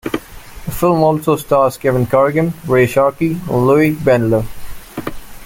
The film also stars Kevin Corrigan, Ray Sharkey, and Lois Bendler.